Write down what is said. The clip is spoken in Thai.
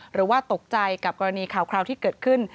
หรือว่าตกใจกับกรณีข่าวที่เกิดขึ้น